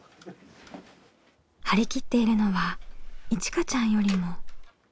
張り切っているのはいちかちゃんよりも。